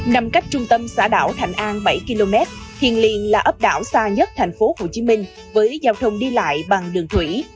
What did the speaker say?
nằm cách trung tâm xã đảo thạnh an bảy km thiền liên là ấp đảo xa nhất thành phố hồ chí minh với giao thông đi lại bằng đường thủy